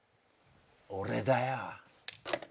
俺だよ統？